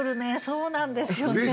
そうなんですよね。